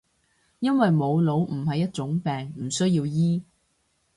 因為冇腦唔係一種病，唔需要醫